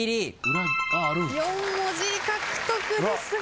４文字獲得ですが。